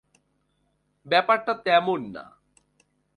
ব্যাপারটা তেমন না।